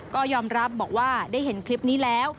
ก็ยอมรับบอกว่าได้เห็นคลิปนี้แล้ว